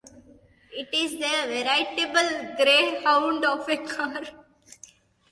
It is a veritable greyhound of a car.